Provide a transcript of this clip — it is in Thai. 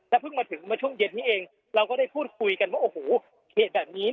เพิ่งมาถึงมาช่วงเย็นนี้เองเราก็ได้พูดคุยกันว่าโอ้โหเหตุแบบนี้